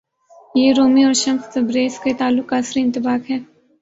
یہ رومی اور Shams Tabriz کے تعلق کا عصری انطباق ہے۔